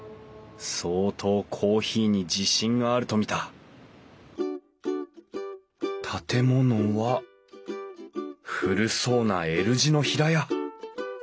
相当コーヒーに自信があると見た建物は古そうなＬ字の平屋。